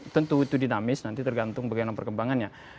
tentu itu dinamis nanti tergantung bagaimana perkembangannya